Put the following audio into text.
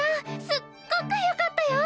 すっごくよかったよ！